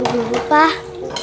lalu kalau febri batu